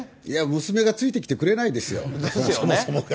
娘がついてきてくれないですよ、そもそもが。